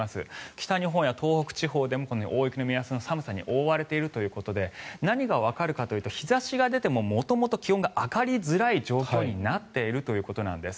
北日本や東北地方でも大雪の目安の寒さに覆われているということで何がわかるかというと日差しが出ても元々気温が上がりづらい状況になっているということなんです。